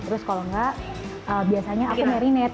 terus kalau enggak biasanya aku ngerinate